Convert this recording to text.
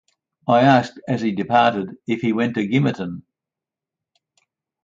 I asked, as he departed, if he went to Gimmerton?